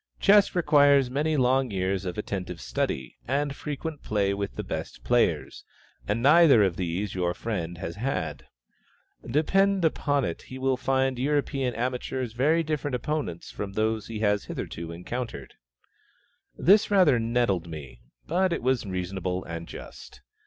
Chess requires many long years of attentive study, and frequent play with the best players, and neither of these your friend has had. Depend upon it he will find European amateurs very different opponents from those he has hitherto encountered." This rather nettled me, but it was reasonable and just.